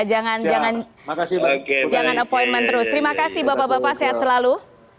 jangan appointment terus terima kasih bapak bapak sehat selalu